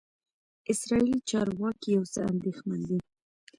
اسرائیلي چارواکي یو څه اندېښمن دي.